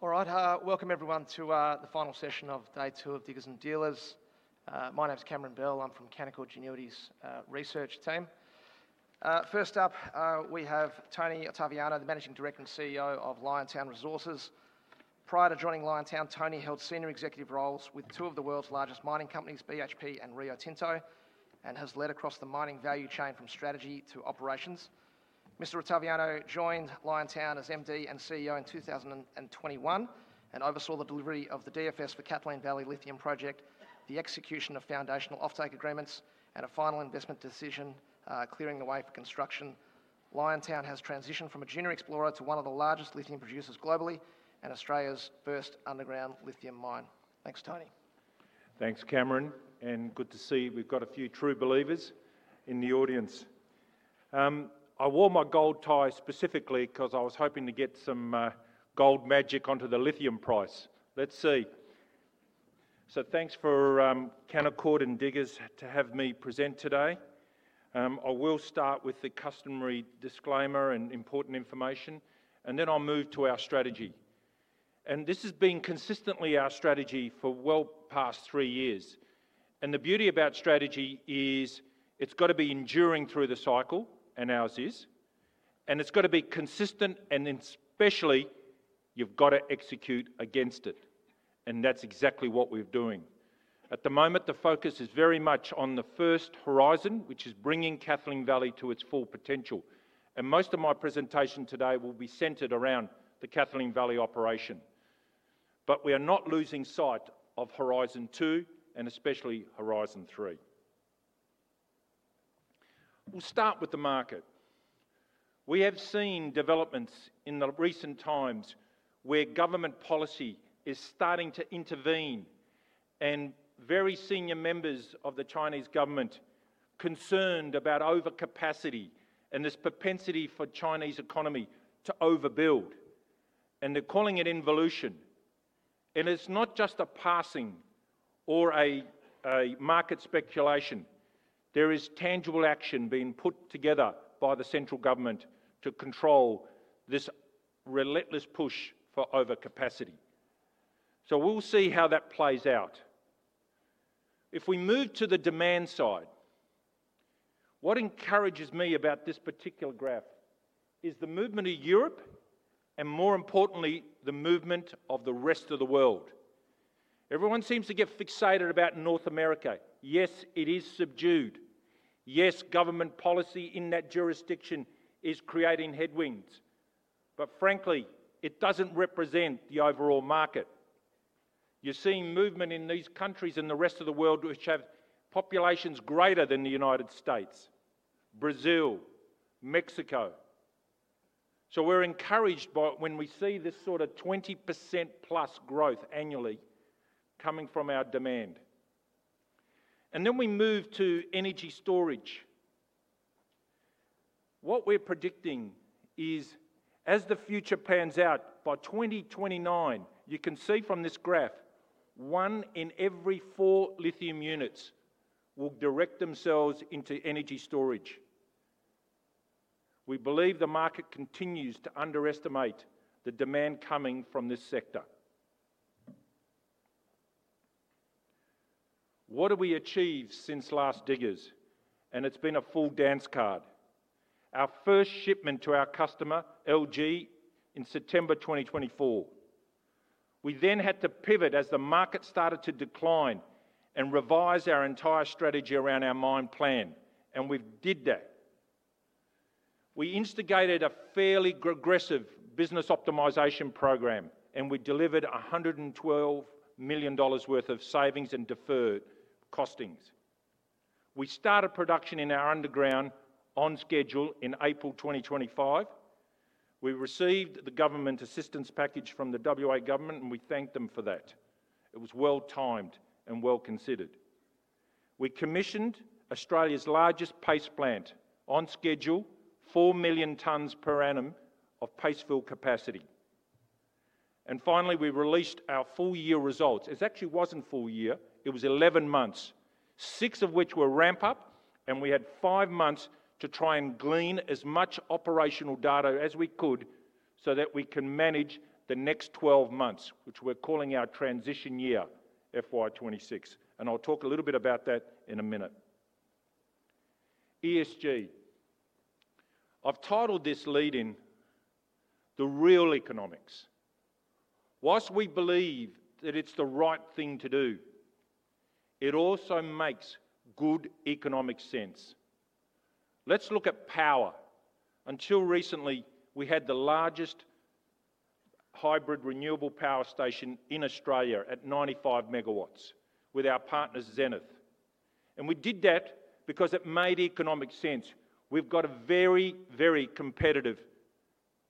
Alright, welcome everyone to the Final Session of Day 2 of Diggers & Dealers. My name is Cameron Bill. I'm from Canaccord Genuity's research team. First up, we have Tony Ottaviano, the Managing Director and CEO of Liontown Resources. Prior to joining Liontown, Tony held senior executive roles with two of the world's largest mining companies, BHP and Rio Tinto, and has led across the mining value chain from strategy to operations. Mr. Ottaviano joined Liontown as MD and CEO in 2021 and oversaw the delivery of the definitive feasibility study for Kathleen Valley Lithium Project, the execution of foundational offtake agreements, and a final investment decision clearing the way for construction. Liontown has transitioned from a junior explorer to one of the largest lithium producers globally and Australia's first underground lithium mine. Thanks, Tony. Thanks, Cameron, and good to see we've got a few true believers in the audience. I wore my gold tie specifically because I was hoping to get some gold magic onto the lithium price. Let's see. Thanks for Canaccord and Diggers to have me present today. I will start with the customary disclaimer and important information, and then I'll move to our strategy. This has been consistently our strategy for well past three years. The beauty about strategy is it's got to be enduring through the cycle, and ours is, and it's got to be consistent, and especially you've got to execute against it. That's exactly what we're doing. At the moment, the focus is very much on the first horizon, which is bringing Kathleen Valley to its full potential. Most of my presentation today will be centered around the Kathleen Valley operation. We are not losing sight of Horizon 2 and especially Horizon 3. We'll start with the market. We have seen developments in recent times where government policy is starting to intervene, and very senior members of the Chinese government are concerned about overcapacity and this propensity for the Chinese economy to overbuild. They're calling it involution. It's not just a passing or a market speculation. There is tangible action being put together by the central government to control this relentless push for overcapacity. We'll see how that plays out. If we move to the demand side, what encourages me about this particular graph is the movement of Europe and, more importantly, the movement of the rest of the world. Everyone seems to get fixated about North America. Yes, it is subdued. Yes, government policy in that jurisdiction is creating headwinds. Frankly, it doesn't represent the overall market. You're seeing movement in these countries and the rest of the world, which have populations greater than the United States, Brazil, Mexico. We're encouraged by when we see this sort of 20%+ growth annually coming from our demand. Then we move to energy storage. What we're predicting is, as the future pans out, by 2029, you can see from this graph, one in every four lithium units will direct themselves into energy storage. We believe the market continues to underestimate the demand coming from this sector. What have we achieved since last Diggers? It's been a full dance card. Our first shipment to our customer, LG, in September 2024. We then had to pivot as the market started to decline and revise our entire strategy around our mine plan, and we did that. We instigated a fairly aggressive business optimization program, and we delivered $112 million worth of savings and deferred costings. We started production in our underground on schedule in April 2025. We received the government assistance package from the WA government, and we thanked them for that. It was well timed and well considered. We commissioned Australia's largest paste plant on schedule, 4 million tons per annum of pastefield capacity. Finally, we released our full-year results. It actually wasn't full-year; it was 11 months, six of which were ramp-up, and we had five months to try and glean as much operational data as we could so that we can manage the next 12 months, which we're calling our transition year, FY 2026. I'll talk a little bit about that in a minute. ESG. I've titled this lead in the real economics. Whilst we believe that it's the right thing to do, it also makes good economic sense. Let's look at power. Until recently, we had the largest hybrid renewable power station in Australia at 95 MW with our partner Zenith. We did that because it made economic sense. We've got a very, very competitive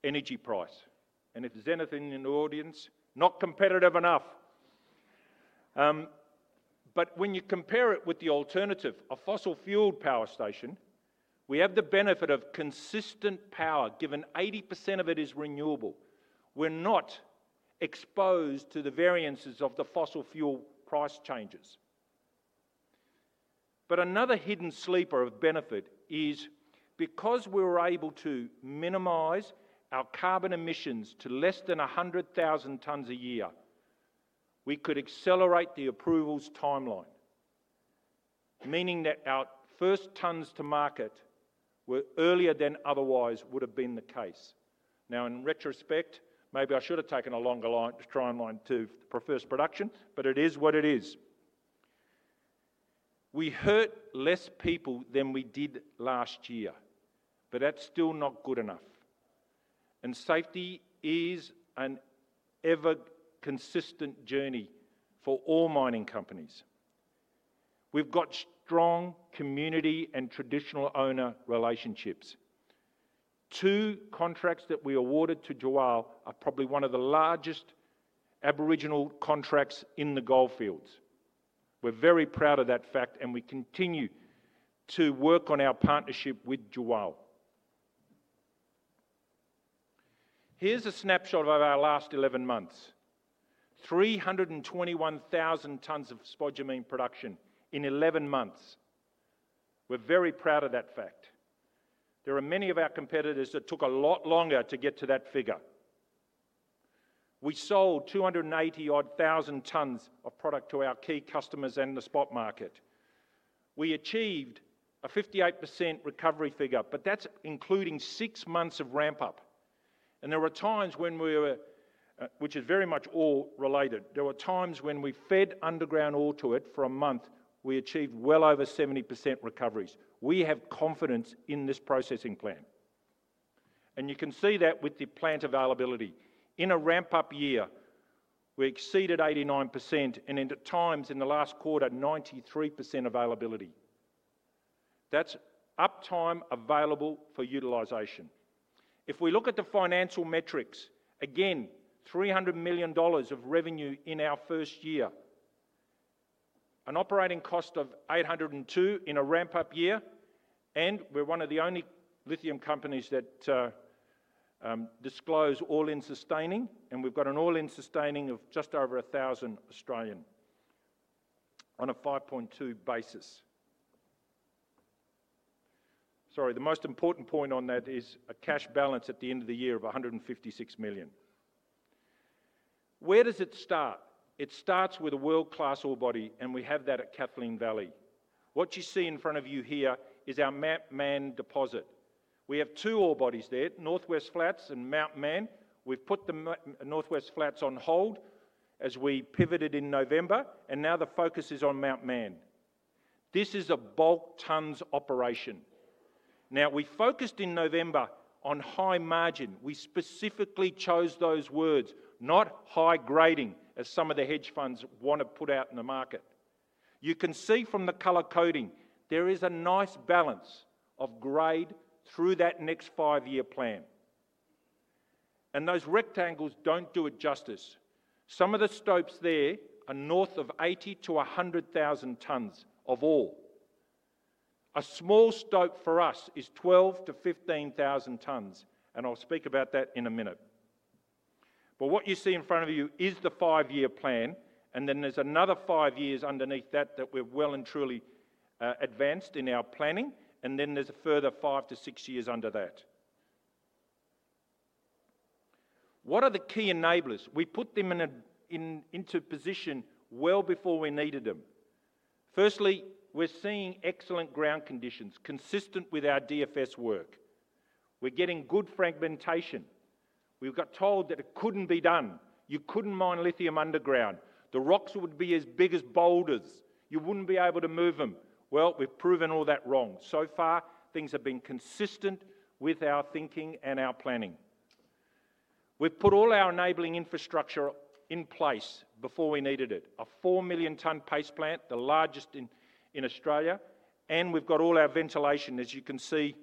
energy price. If Zenith is in the audience, not competitive enough. When you compare it with the alternative, a fossil-fueled power station, we have the benefit of consistent power, given 80% of it is renewable. We're not exposed to the variances of the fossil fuel price changes. Another hidden sleeper of benefit is because we were able to minimize our carbon emissions to less than 100,000 tons a year, we could accelerate the approvals timeline, meaning that our first tons to market were earlier than otherwise would have been the case. In retrospect, maybe I should have taken a longer line to try and line two for first production, but it is what it is. We hurt less people than we did last year, but that's still not good enough. Safety is an ever-consistent journey for all mining companies. We've got strong community and traditional owner relationships. Two contracts that we awarded to Jawal are probably one of the largest Aboriginal contracts in the gold fields. We're very proud of that fact, and we continue to work on our partnership with Jawal. Here's a snapshot of our last 11 months. 321,000 tons of spodumene production in 11 months. We're very proud of that fact. There are many of our competitors that took a lot longer to get to that figure. We sold 280-odd thousand tons of product to our key customers and the spot market. We achieved a 58% recovery figure, but that's including six months of ramp-up. There were times when we fed underground ore for a month, we achieved well over 70% recoveries. We have confidence in this processing plan. You can see that with the plant availability. In a ramp-up year, we exceeded 89%, and at times in the last quarter, 93% availability. That's uptime available for utilization. If we look at the financial metrics, again, $300 million of revenue in our first year, an operating cost of $802 in a ramp-up year, and we're one of the only lithium companies that disclose all-in sustaining, and we've got an all-in sustaining of just over $1,000 Australian on a 5.2 basis. Sorry, the most important point on that is a cash balance at the end of the year of $156 million. Where does it start? It starts with a world-class ore body, and we have that at Kathleen Valley. What you see in front of you here is our Mt Mann deposit. We have two ore bodies there, North-West flats and Mt Mann. We've put the North-West flats on hold as we pivoted in November, and now the focus is on Mt Mann. This is a bulk tons operation. We focused in November on high margin. We specifically chose those words, not high-grading as some of the hedge funds want to put out in the market. You can see from the color coding, there is a nice balance of grade through that next five-year plan. Those rectangles don't do it justice. Some of the stopes there are north of 80,000 tons-100,000 tons of ore. A small stope for us is 12,000 tons-15,000 tons, and I'll speak about that in a minute. What you see in front of you is the five-year plan, and then there's another five years underneath that that we're well and truly advanced in our planning, and then there's a further five to six years under that. What are the key enablers? We put them into position well before we needed them. Firstly, we're seeing excellent ground conditions, consistent with our definitive feasibility study work. We're getting good fragmentation. We were told that it couldn't be done. You couldn't mine lithium underground. The rocks would be as big as boulders. You wouldn't be able to move them. We have proven all that wrong. So far, things have been consistent with our thinking and our planning. We put all our enabling infrastructure in place before we needed it. A four million-ton paste plant, the largest in Australia, and we've got all our ventilation, as you can see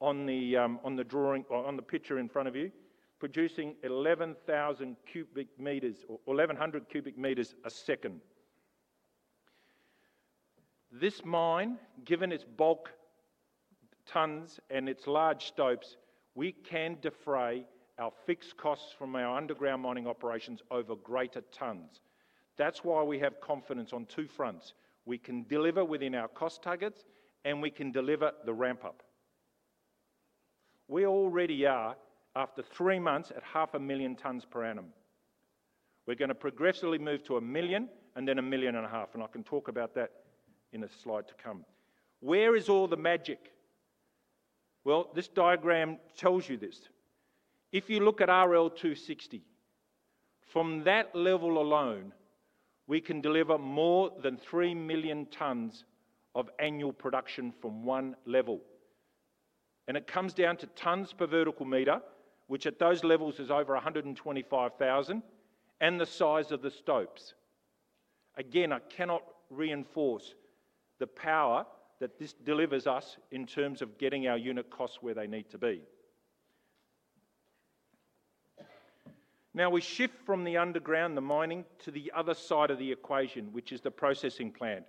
on the picture in front of you, producing 11,000 cubic meters or 1,100 cubic meters a second. This mine, given its bulk tons and its large stopes, we can defray our fixed costs from our underground mining operations over greater tons. That's why we have confidence on two fronts. We can deliver within our cost targets, and we can deliver the ramp-up. We already are, after three months, at half a million tons per annum. We're going to progressively move to a million and then a million and a half, and I can talk about that in a slide to come. Where is all the magic? This diagram tells you this. If you look at RL260, from that level alone, we can deliver more than 3 million tons of annual production from one level. It comes down to tons per vertical meter, which at those levels is over 125,000 tons, and the size of the stopes. Again, I cannot reinforce the power that this delivers us in terms of getting our unit costs where they need to be. Now, we shift from the underground, the mining, to the other side of the equation, which is the processing plant.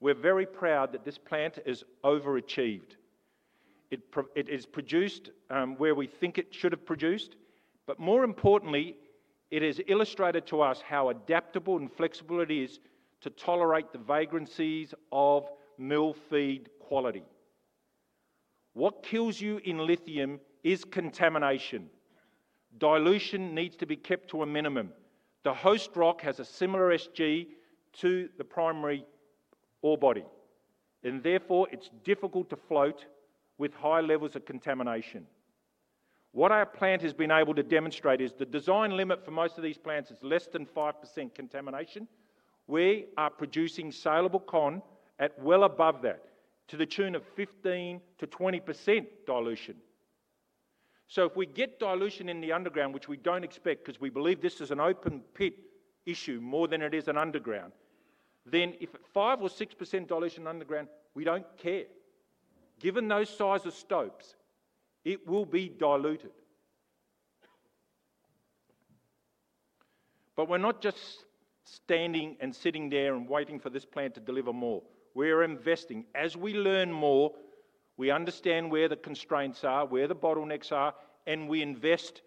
We're very proud that this plant has overachieved. It has produced where we think it should have produced, but more importantly, it has illustrated to us how adaptable and flexible it is to tolerate the vagrancies of mill feed quality. What kills you in lithium is contamination. Dilution needs to be kept to a minimum. The host rock has a similar SG to the primary ore body, and therefore, it's difficult to float with high levels of contamination. What our plant has been able to demonstrate is the design limit for most of these plants is less than 5% contamination. We are producing salable corn at well above that, to the tune of 15%-20% dilution. If we get dilution in the underground, which we don't expect because we believe this is an open pit issue more than it is an underground, then if it's 5% or 6% dilution underground, we don't care. Given those sizes of stopes, it will be diluted. We're not just standing and sitting there and waiting for this plant to deliver more. We are investing. As we learn more, we understand where the constraints are, where the bottlenecks are, and we invest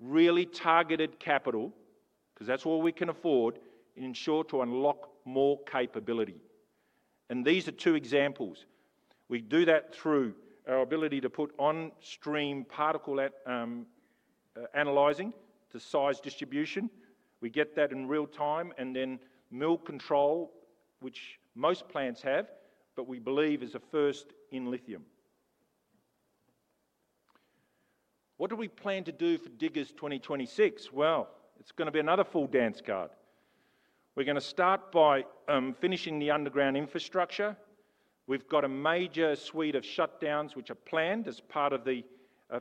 really targeted capital because that's all we can afford and ensure to unlock more capability. These are two examples. We do that through our ability to put on stream particle analyzing to size distribution. We get that in real time, and then mill control, which most plants have, but we believe is a first in lithium. What do we plan to do for Diggers 2026? It is going to be another full dance card. We are going to start by finishing the underground infrastructure. We have got a major suite of shutdowns, which are planned as part of the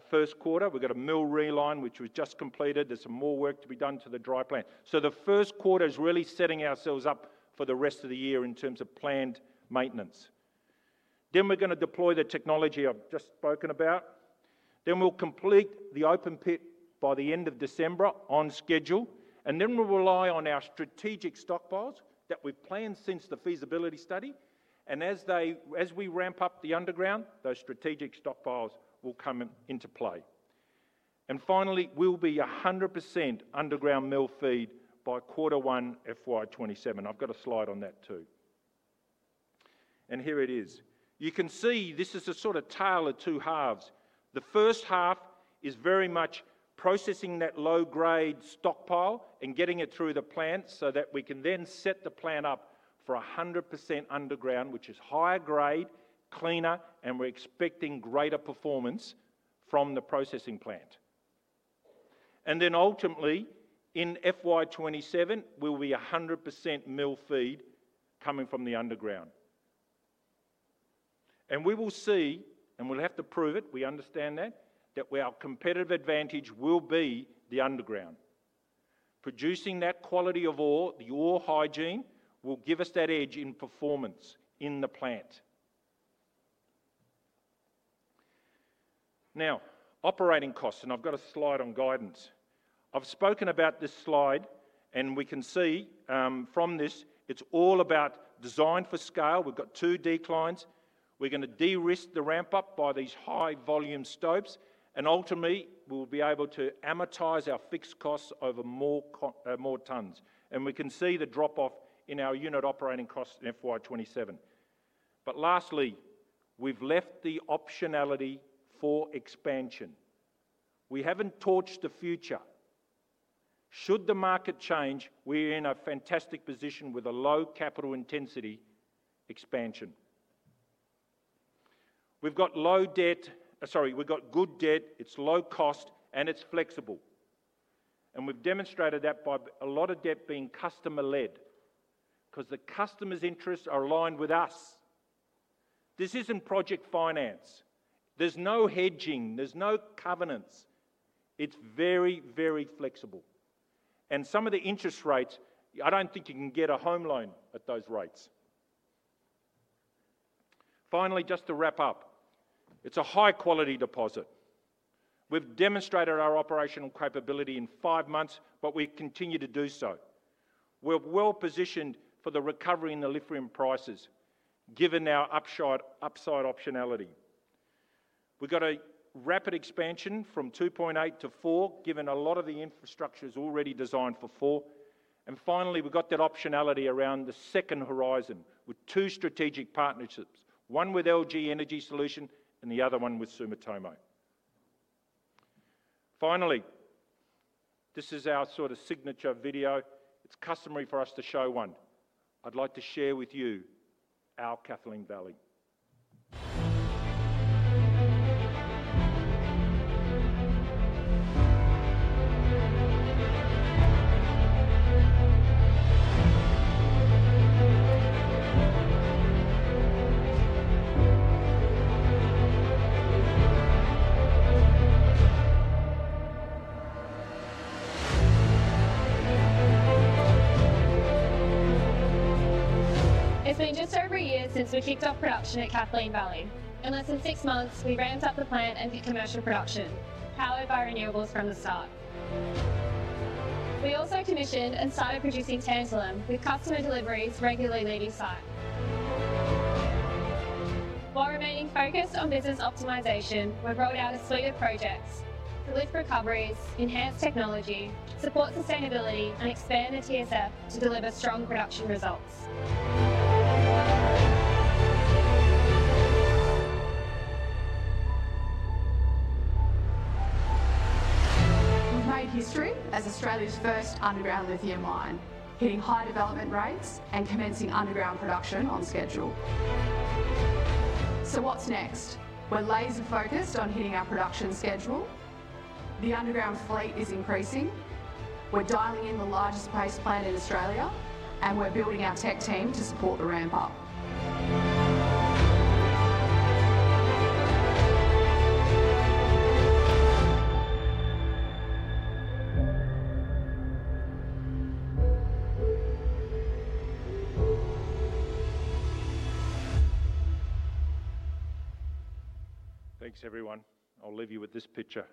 first quarter. We have got a mill reline, which was just completed. There is some more work to be done to the dry plant. The first quarter is really setting ourselves up for the rest of the year in terms of planned maintenance. We are going to deploy the technology I have just spoken about. We will complete the open pit by the end of December on schedule, and we will rely on our strategic stockpiles that we have planned since the feasibility study. As we ramp up the underground, those strategic stockpiles will come into play. Finally, we will be 100% underground mill feed by quarter one, FY 2027. I have got a slide on that too. Here it is. You can see this is a sort of tale of two halves. The first half is very much processing that low-grade stockpile and getting it through the plant so that we can then set the plant up for 100% underground, which is higher grade, cleaner, and we are expecting greater performance from the processing plant. Ultimately, in FY 2027, we will be 100% mill feed coming from the underground. We will see, and we will have to prove it, we understand that, that our competitive advantage will be the underground. Producing that quality of ore, the ore hygiene, will give us that edge in performance in the plant. Now, operating costs, and I have got a slide on guidance. I have spoken about this slide, and we can see from this, it is all about design for scale. We have got two declines. We are going to de-risk the ramp-up by these high-volume stopes, and ultimately, we will be able to amortize our fixed costs over more tons. We can see the drop-off in our unit operating costs in FY 2027. Lastly, we have left the optionality for expansion. We have not torched the future. Should the market change, we are in a fantastic position with a low capital intensity expansion. We have got low debt, sorry, we have got good debt, it is low cost, and it is flexible. We have demonstrated that by a lot of debt being customer-led because the customer's interests are aligned with us. This is not project finance. There's no hedging, there's no covenants. It's very, very flexible, and some of the interest rates, I don't think you can get a home loan at those rates. Finally, just to wrap up, it's a high-quality deposit. We've demonstrated our operational capability in five months, and we continue to do so. We're well-positioned for the recovery in the lithium prices, given our upside optionality. We've got a rapid expansion from 2.8 Mtpa-4 Mtpa, given a lot of the infrastructure is already designed for 4 Mtpa. Finally, we've got that optionality around the second horizon with two strategic partnerships, one with LG Energy Solution and the other one with Sumitomo. Finally, this is our sort of signature video. It's customary for us to show one. I'd like to share with you our Kathleen Valley. It's been just over a year since we kicked off production at Kathleen Valley. In less than six months, we ramped up the plant and did commercial production, powered by renewables from the start. We also commissioned and started producing tantalum with customer deliveries regularly this time. While remaining focused on business optimization, we've rolled out a suite of projects to lift recoveries, enhance technology, support sustainability, and expand the TSF to deliver strong production results. We've made history as Australia's first underground lithium mine, hitting high development rates and commencing underground production on schedule. We're laser-focused on hitting our production schedule. The underground fleet is increasing. We're dialing in the largest paste plant in Australia, and we're building our tech team to support the ramp-up. Thanks, everyone. I'll leave you with this picture.